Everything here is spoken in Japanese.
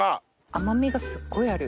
甘みがすっごいある。